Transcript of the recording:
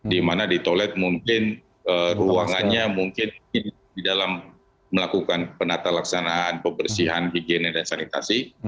di mana di toilet mungkin ruangannya mungkin di dalam melakukan penata laksanaan pembersihan higiene dan sanitasi